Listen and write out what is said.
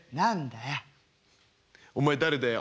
お前誰だよ。